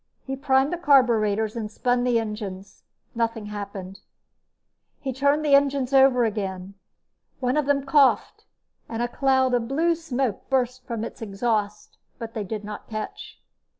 He primed the carburetors and spun the engines. Nothing happened. He turned the engines over again. One of them coughed, and a cloud of blue smoke burst from its exhaust, but they did not catch.